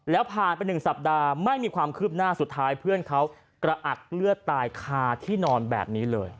แล้วผ่านไป๑สัปดาห์ไม่มีความคืบหน้าสุดท้ายเพื่อนเขากระอักเลือดตายคาที่นอนแบบนี้เลย